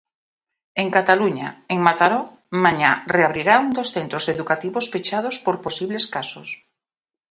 En Cataluña, en Mataró, mañá reabrirá un dos centros educativos pechados por posibles casos.